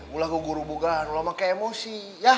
udah kegurubukan emosi